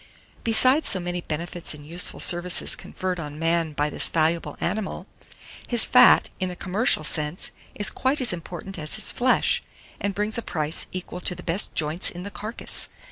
Besides so many benefits and useful services conferred on man by this valuable animal, his fat, in a commercial sense, is quite as important as his flesh, and brings a price equal to the best joints in the carcase.